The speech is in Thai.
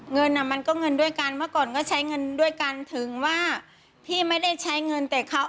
เงินอ่ะมันก็เงินด้วยกันเมื่อก่อนก็ใช้เงินด้วยกันถึงว่าพี่ไม่ได้ใช้เงินแต่เขา